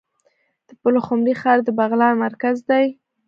د پلخمري ښار د بغلان مرکز دی